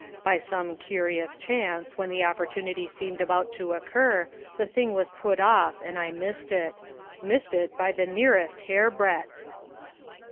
By some curious chance, when the opportunity seemed about to occur, the thing was put off and I missed it missed it by the nearest hair breadth!"